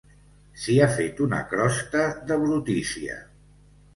S'hi ha fet una crosta de brutícia.